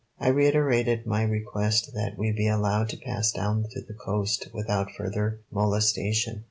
I reiterated my request that we be allowed to pass down to the coast without further molestation.